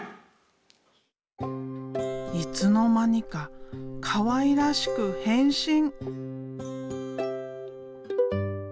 いつの間にかかわいらしく変身。